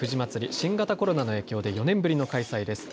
新型コロナの影響で４年ぶりの開催です。